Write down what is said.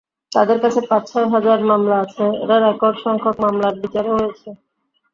তাদের কাছে পাঁচ-ছয় হাজার মামলা আছে এবং রেকর্ড–সংখ্যক মামলার বিচারও হয়েছে।